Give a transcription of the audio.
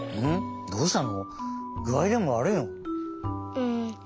うん。